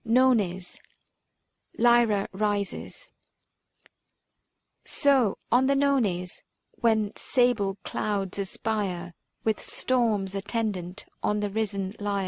NONES. LYRA RISES. So on the Nones, when sable clouds aspire With storms attendant on the risen Lyre.